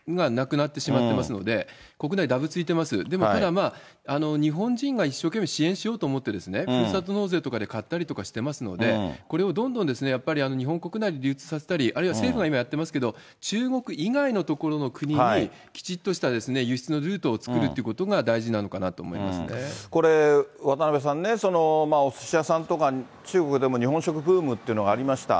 も、日本人が一生懸命支援しようと思って、ふるさと納税とかで買ったりとかしていますので、これをどんどんやっぱり日本国内で流通させたり、あるいは政府が今やっていますけど、中国以外の所の国にきちっとした輸出のルートを作るっていうことこれ、渡辺さんね、おすし屋さんとか、中国でも日本食ブームっていうのがありました。